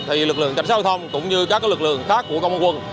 thì lực lượng tránh xe giao thông cũng như các lực lượng khác của công an quận